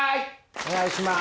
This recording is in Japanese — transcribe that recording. お願いします。